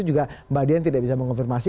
juga mbak dian tidak bisa mengonfirmasi